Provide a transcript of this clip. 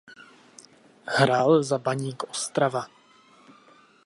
Hrál za Baník Ostrava.